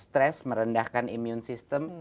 stres merendahkan imun sistem